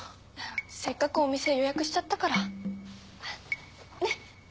せっかくお店予約しちゃったから。ね？